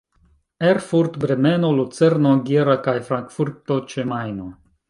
Erfurt, Bremeno, Lucerno, Gera kaj Frankfurto ĉe Majno.